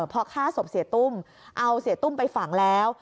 พอฆ่าศพเสียตุ้มเอาเสียตุ้มไปฝังแล้ว